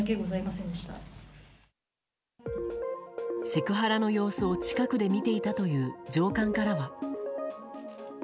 セクハラの様子を、近くで見ていたという上官からは。